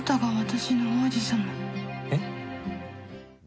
えっ？